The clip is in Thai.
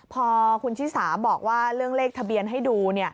พอคุณชิสาบอกว่าเรื่องเลขทะเบียนให้ดู